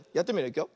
いくよ。